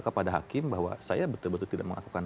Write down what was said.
kepada hakim bahwa saya betul betul tidak melakukan